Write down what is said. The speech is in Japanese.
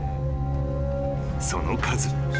［その数。